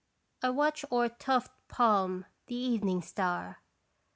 I watch o'er tufted palm the evening star.